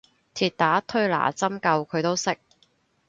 鐵打推拿針灸佢都識